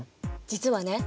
実はね